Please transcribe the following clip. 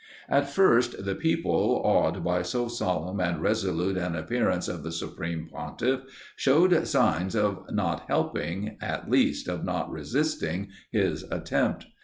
At first the people, awed by so solemn and resolute an appearance of the Supreme Pontiff, showed signs if not of helping, at least, of not resisting his attempt.